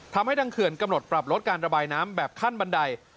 ทางเขื่อนกำหนดปรับลดการระบายน้ำแบบขั้นบันได